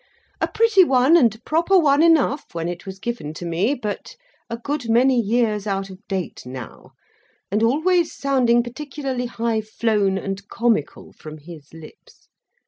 A pretty one and proper one enough when it was given to me: but, a good many years out of date now, and always sounding particularly high flown and comical from his lips.